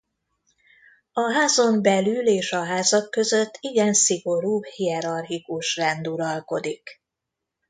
A házon belül és a házak között igen szigorú hierarchikus rend uralkodik.